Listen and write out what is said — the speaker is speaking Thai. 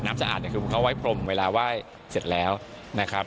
สะอาดเนี่ยคือเขาไว้พรมเวลาไหว้เสร็จแล้วนะครับ